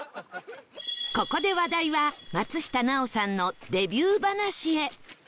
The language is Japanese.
ここで話題は松下奈緒さんのデビュー話へ